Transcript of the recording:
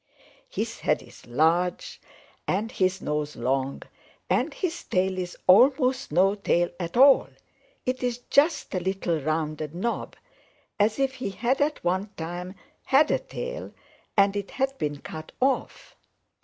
"His head is large and his nose long, and his tail is almost no tail at all; it is just a little rounded knob, as if he had at one time had a tail and it had been cut off.